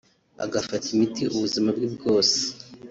agafata imiti ubuzima bwe bwose